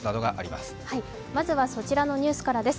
まずはそちらのニュースからです。